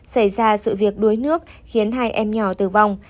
xảy ra sự việc đuối nước khiến hai em nhỏ tử vong